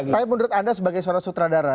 tapi menurut anda sebagai seorang sutradara